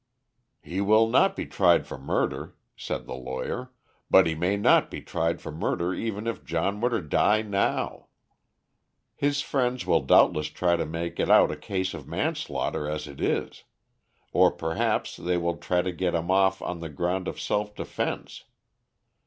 "He will not be tried for murder," said the lawyer, "but he may not be tried for murder even if John were to die now. His friends will doubtless try to make it out a case of manslaughter as it is; or perhaps they will try to get him off on the ground of self defence.